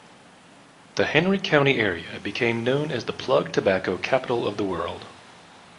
The Henry County area became known as the plug tobacco capital of the world.